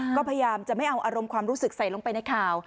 ก็พยายามจะไม่เอาอารมณ์ความรู้สึกใส่ลงไปในข่าว